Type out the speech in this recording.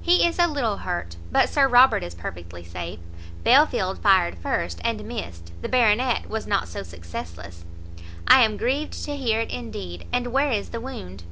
"He is a little hurt, but Sir Robert is perfectly safe. Belfield fired first, and missed; the Baronet was not so successless." "I am grieved to hear it, indeed! And where is the wound?"